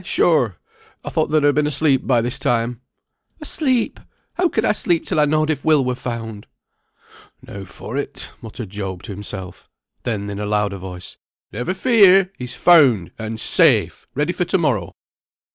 sure! I thought thou'd ha' been asleep by this time." "Asleep! How could I sleep till I knowed if Will were found?" "Now for it," muttered Job to himself. Then in a louder voice, "Never fear! he's found, and safe, ready for to morrow."